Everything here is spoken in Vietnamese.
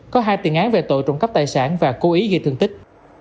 có hai tiền án về tội trộm cắp tài sản và cố ý gây thương tích